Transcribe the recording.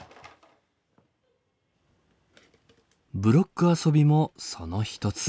ブロック遊びもそのひとつ。